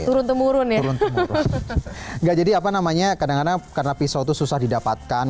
turun temurun ya jadi apa namanya kadang kadang karena pisau itu susah didapatkan